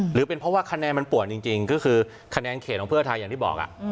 หรือเป็นเพราะว่าคะแนนมันป่วนจริงก็คือคะแนนเขตของเพื่อไทยอย่างที่บอก